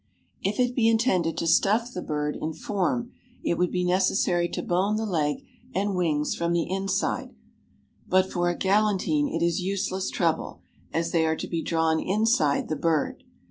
If it be intended to stuff the bird in form, it would be necessary to bone the leg and wings from the inside, but for a galantine it is useless trouble, as they are to be drawn inside the bird.